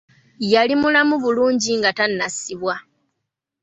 Yali mulamu bulungi nga tannasibwa.